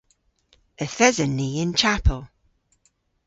Yth esen ni y'n chapel.